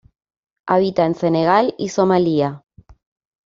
Habita en Senegal y Somalia.